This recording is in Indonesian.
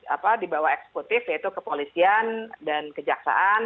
apa di bawah eksekutif yaitu kepolisian dan kejaksaan